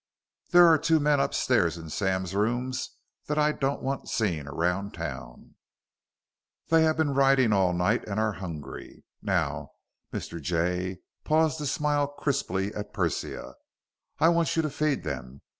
"There are two men upstairs in Sam's rooms that I don't want seen around town. They have been riding all night and are hungry. Now " Mr. Jay paused to smile crisply at Persia "I want you to feed them.